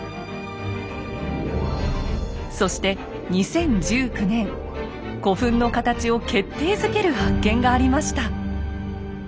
そして２０１９年古墳の形を決定づける発見がありました。